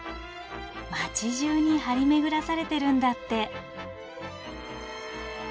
町じゅうに張り巡らされてるんだって。